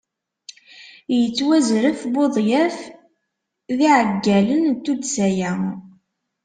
Yettwazref Budyaf d iɛeggalen n tuddsa-a.